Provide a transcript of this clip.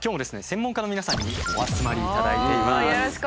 専門家の皆さんにお集まりいただいています。